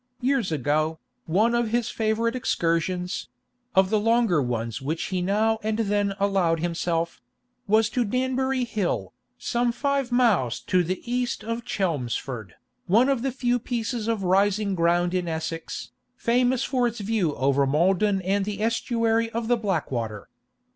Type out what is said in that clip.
Years ago, one of his favourite excursions—of the longer ones which he now and then allowed himself—was to Danbury Hill, some five miles to the east of Chelmsford, one of the few pieces of rising ground in Essex, famous for its view over Maldon and the estuary of the Blackwater.